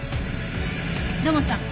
土門さん